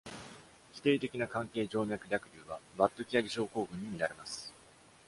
否定的な肝頸静脈逆流はバット・キアリ症候群に見られます。